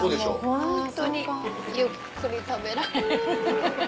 いやもうホントにゆっくり食べられる。